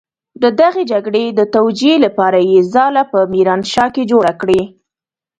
د دغې جګړې د توجيې لپاره يې ځاله په ميرانشاه کې جوړه کړې.